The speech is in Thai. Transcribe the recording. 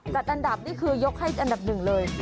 จริงนะจนอันดับนี้ยกให้อันดับหนึ่งเลย